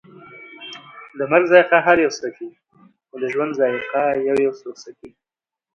د مرګ ذائقه هر یو څکي، خو د ژوند ذائقه یویو څوک څکي